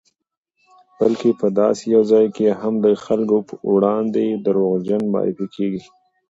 بلکې په داسې یو ځای کې هم د خلکو پر وړاندې دروغجن معرفي کېږي